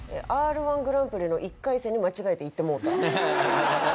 Ｒ−１グランプリの１回戦に間違えて行ってもうた。